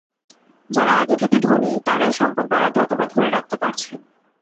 যাঁরা আগে থেকে ধনী তাঁরাই সম্পদ বাড়াতে অথবা ধরে রাখতে পারছেন।